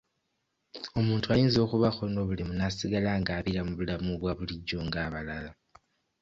Omuntu ayinza okubaako n'obulemu n'asigala ng'abeera mu bulamu obwa bulijjo ng'abalala.